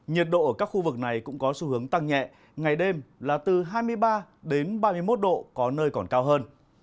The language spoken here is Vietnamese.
nhiệt độ ở các khu vực này cũng có xu hướng tăng nhẹ ngày đêm là từ hai mươi ba đến ba mươi một độ có nơi còn cao hơn